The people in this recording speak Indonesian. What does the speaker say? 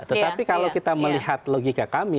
tetapi kalau kita melihat logika kami